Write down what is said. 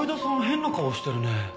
変な顔してるね。